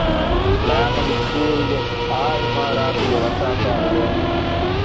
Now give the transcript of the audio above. ޅައިމަގު ސްކޫލްގެ އައު އިމާރާތުގެ ވަށާފާރު ރޭނުން